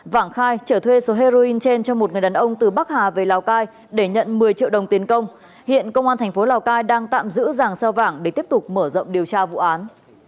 vảng khai trở thuê số heroin trên cho một người đàn ông từ bắc hà về lào cai để nhận một mươi triệu đồng tiền công hiện công an thành phố lào cai đang tạm giữ giàng xeo vàng để tiếp tục mở rộng điều tra vụ án